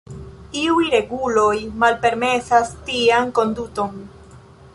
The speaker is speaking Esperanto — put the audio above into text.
Iuj reguloj malpermesas tian konduton.